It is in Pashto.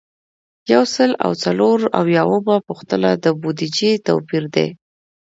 یو سل او څلور اویایمه پوښتنه د بودیجې توپیر دی.